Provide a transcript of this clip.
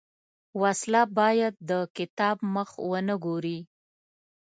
وسله باید د کتاب مخ ونه ګوري